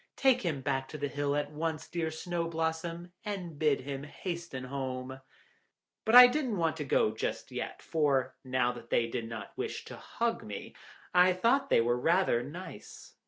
Take him back to the hill at once, dear Snow blossom, and bid him hasten home." But I didn't want to go just yet, for now that they did not wish to hug me, I thought they were rather nice.